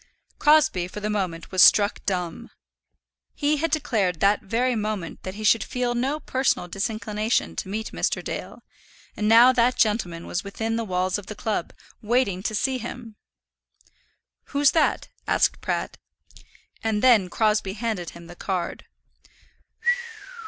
Crosbie for the moment was struck dumb. He had declared that very moment that he should feel no personal disinclination to meet Mr. Dale, and now that gentleman was within the walls of the club, waiting to see him! "Who's that?" asked Pratt. And then Crosbie handed him the card.